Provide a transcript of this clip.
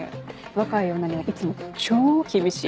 若い女にはいつも超厳しいのに。